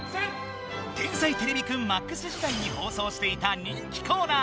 「天才てれびくんＭＡＸ」時代に放送していた人気コーナー。